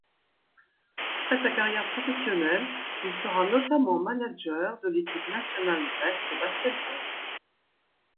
Après sa carrière professionnelle, il sera notamment manager de l'équipe nationale grecque de basket-ball.